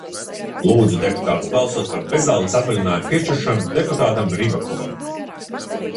Lūdzu deputātus balsot par bezalgas atvaļinājuma piešķiršanu deputātam Ribakovam.